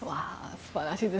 素晴らしいです。